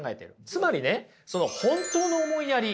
つまりね本当の思いやり